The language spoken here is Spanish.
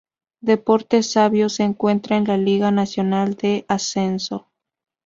Deportes Savio se encuentra en la Liga Nacional de Ascenso.